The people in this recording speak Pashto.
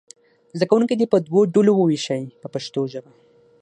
زده کوونکي دې په دوو ډلو وویشئ په پښتو ژبه.